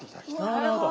なるほど。